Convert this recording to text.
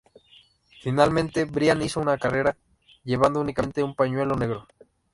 Finalmente Brian hizo una carrera llevando únicamente un pañuelo negro.